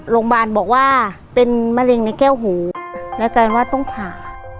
โรงพยาบาลบอกว่าเป็นมะเร็งในแก้วหูแล้วกลายเป็นว่าต้องผ่า